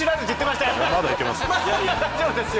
まだ大丈夫ですよ。